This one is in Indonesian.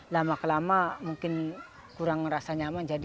lama kelama mungkin kurang ngerasa nyaman jadi